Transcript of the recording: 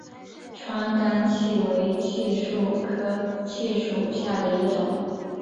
川甘槭为槭树科槭属下的一个种。